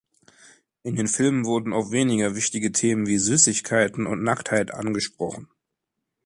In den Filmen wurden auch weniger wichtige Themen wie Süßigkeiten und Nacktheit angesprochen.